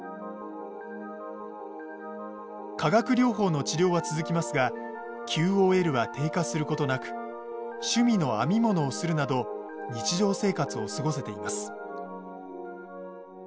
化学療法の治療は続きますがＱＯＬは低下することなく趣味の編み物をするなど日常生活を過ごせています。